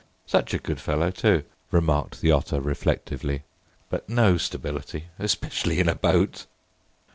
"Such a good fellow, too," remarked the Otter reflectively: "But no stability—especially in a boat!"